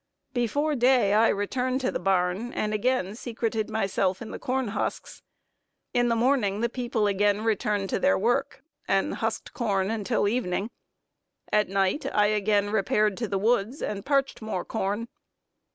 Before day I returned to the barn, and again secreted myself in the corn husks. In the morning the people again returned to their work, and husked corn until the evening. At night I again repaired to the woods, and parched more corn.